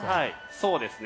そうですね。